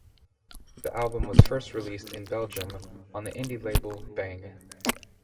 The album was first released in Belgium on the indie label Bang!